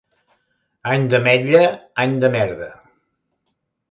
Any d'ametlla, any de merda.